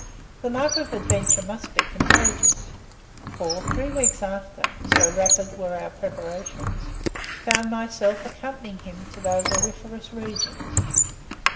The love of adventure must be contagious, for three weeks after (so rapid were our preparations) found myself accompanying him to those auriferous regions.